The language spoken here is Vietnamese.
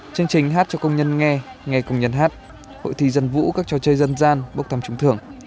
chương trình hát cho công nhân nghe nghe công nhân hát hội thi dân vũ các trò chơi dân gian bốc thăm trúng thưởng